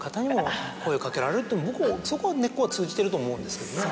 僕はそこは根っこは通じてると思うんですけどね。